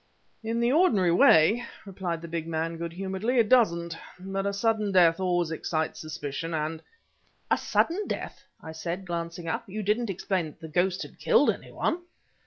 "In the ordinary way," replied the big man good humoredly, "it doesn't. But a sudden death always excites suspicion, and " "A sudden death?" I said, glancing up; "you didn't explain that the ghost had killed any one!"